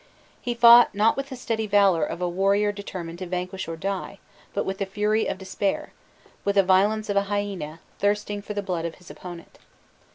He fought, not with the steady valor of a warrior determined to vanquish or die; but with the fury of despair, with the violence of a hyena, thirsting for the blood of his opponent.